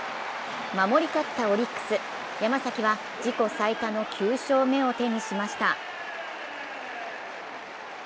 守り勝ったオリックス、山崎は自己最多の９勝目を手にしました。